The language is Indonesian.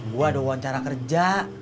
gue ada wawancara kerja